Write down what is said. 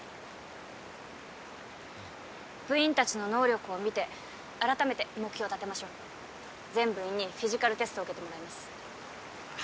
部員たちの能力を見て改めて目標立てましょう全部員にフィジカルテストを受けてもらいます